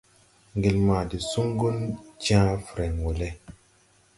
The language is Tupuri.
Ŋgel ma de suŋgun jãã frɛŋ wɔ lɛ.